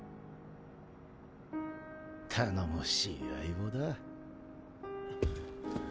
頼もしい相棒だ。